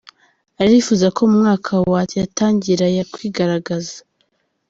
Arifuza ko mu mwaka wa yatangira kwigaragaza.